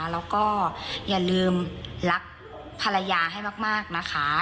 แล้วก็อย่าลืมรักภรรยาให้มากนะคะ